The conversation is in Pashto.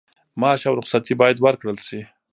معاش او رخصتي باید ورکړل شي.